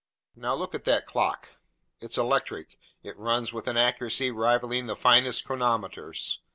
Now, look at that clock: it's electric, it runs with an accuracy rivaling the finest chronometers.